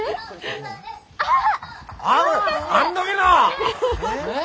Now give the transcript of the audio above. あっ！